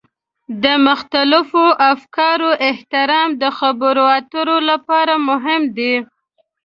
د مختلفو افکارو احترام د خبرو اترو لپاره مهم دی.